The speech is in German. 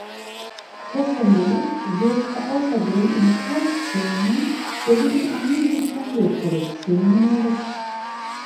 Tessenow wirkte außerdem in Kurzfilmen sowie in einigen Fernsehproduktionen mit.